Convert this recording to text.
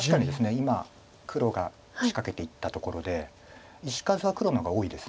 今黒が仕掛けていったところで石数は黒の方が多いです。